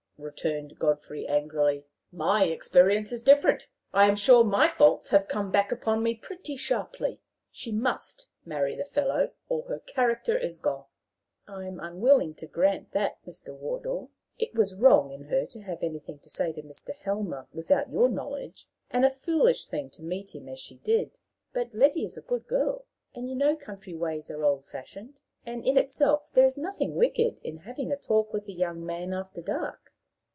returned Godfrey, angrily. "My experience is different. I am sure my faults have come back upon me pretty sharply. She must marry the fellow, or her character is gone." "I am unwilling to grant that, Mr. Wardour. It was wrong in her to have anything to say to Mr. Helmer without your knowledge, and a foolish thing to meet him as she did; but Letty is a good girl, and you know country ways are old fashioned, and in itself there is nothing wicked in having a talk with a young man after dark."